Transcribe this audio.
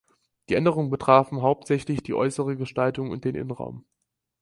Die Änderungen betrafen hauptsächlich die äußere Gestaltung und den Innenraum.